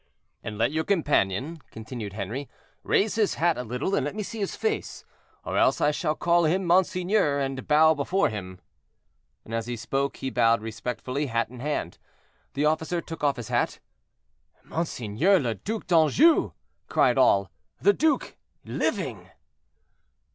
"And let your companion," continued Henri, "raise his hat a little and let me see his face, or else I shall call him monseigneur, and bow before him." And as he spoke he bowed respectfully, hat in hand. The officer took off his hat. "Monseigneur le Duc d'Anjou!" cried all. "The duke, living!"